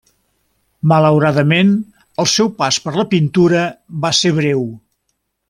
Malauradament, el seu pas per la pintura va ser breu.